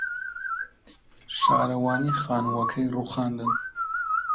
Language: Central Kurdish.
شارەوانی خانووەکەی رووخاندن.